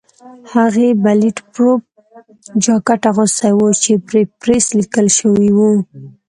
هغې بلېټ پروف جاکټ اغوستی و چې پرې پریس لیکل شوي وو.